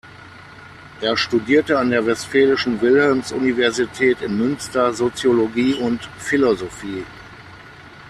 Er studierte an der Westfälischen Wilhelms-Universität in Münster Soziologie und Philosophie.